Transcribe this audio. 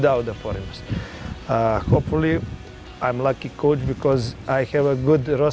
semoga saya adalah seorang pemain yang bertuah karena saya punya roster yang bagus